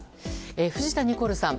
藤田ニコルさん。